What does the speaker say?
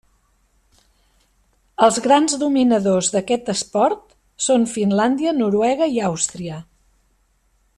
Els grans dominadors d'aquest esport són Finlàndia, Noruega i Àustria.